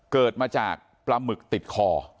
เกิดมาจากปลาหมึกติดคอ